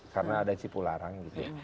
karena ada sipu larang